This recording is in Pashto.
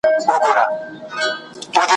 هره تېږه من نه ده `